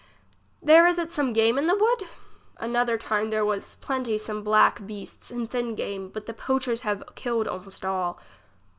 There is it some game in this wood ? Another time there was plenty some black beasts and thin game, but the poachers have killed almost all.